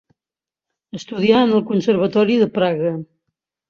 Estudià en el Conservatori de Praga.